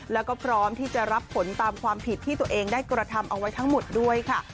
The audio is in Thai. แล้วก็พร้อมที่จะรับผลตามความผิดที่ตัวเองได้กระทำเอาไว้ทั้งหมดด้วยค่ะ